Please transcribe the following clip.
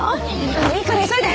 いいから急いで。